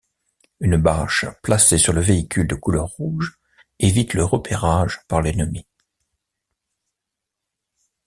Une bâche placée sur le véhicule de couleur rouge évite le repérage par l'ennemi.